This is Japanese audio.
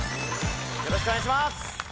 よろしくお願いします！